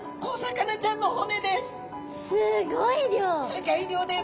すギョい量です！